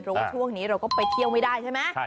เพราะว่าช่วงนี้เราก็ไปเที่ยวไม่ได้ใช่ไหม